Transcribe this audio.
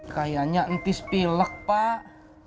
kayaknya ntis pilek pak